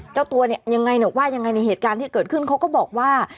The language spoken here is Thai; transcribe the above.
เจ้าตัวเนี่ยยังไงเนี่ยว่ายังไงในเหตุการณ์ที่เกิดขึ้นเขาก็บอกว่า